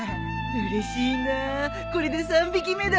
うれしいなこれで３匹目だ。